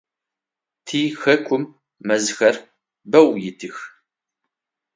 Тихэкум мэзхэр бэу итых.